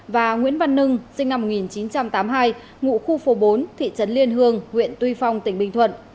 và nguyễn văn nưng sinh năm một nghìn chín trăm tám mươi hai ngụ khu phố bốn thị trấn liên hương huyện tuy phong tỉnh bình thuận